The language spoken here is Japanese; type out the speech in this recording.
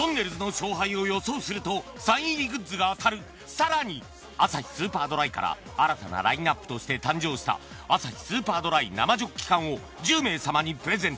更にアサヒスーパードライから新たなラインアップとして誕生したアサヒスーパードライ生ジョッキ缶を１０名様にプレゼント